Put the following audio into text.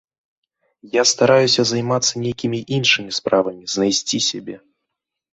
Я стараюся займацца нейкімі іншымі справамі, знайсці сябе.